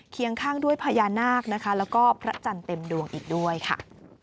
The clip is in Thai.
ข้างด้วยพญานาคนะคะแล้วก็พระจันทร์เต็มดวงอีกด้วยค่ะ